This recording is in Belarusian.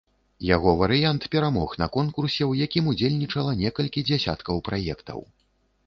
Яго варыянт перамог на конкурсе, у якім удзельнічала некалькі дзясяткаў праектаў.